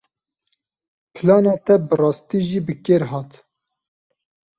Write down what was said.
Plana te bi rastî jî bi kêr hat.